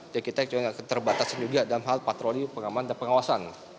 jadi kita juga terbatas juga dalam hal patroli pengaman dan pengawasan